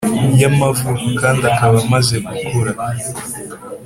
y’amavuko kandi akaba amaze gukura